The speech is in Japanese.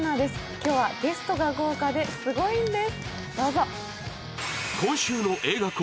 今日はゲストが豪華ですごいんです。